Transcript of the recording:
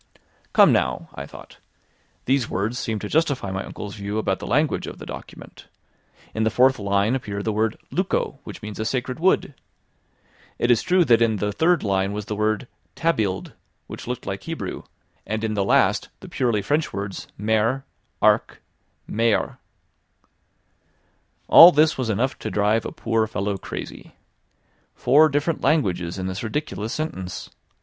"Come now," I thought, "these words seem to justify my uncle's view about the language of the document. In the fourth line appeared the word "luco", which means a sacred wood. It is true that in the third line was the word "tabiled", which looked like Hebrew, and in the last the purely French words "mer", "arc", "mere."" All this was enough to drive a poor fellow crazy. Four different languages in this ridiculous sentence!